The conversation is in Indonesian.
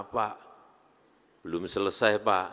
pak belum selesai pak